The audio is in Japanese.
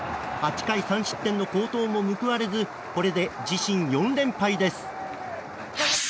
８回３失点の好投も報われずこれで自身４連敗です。